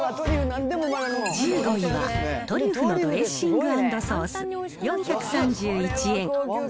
１５位はトリュフのドレッシング＆ソース４３１円。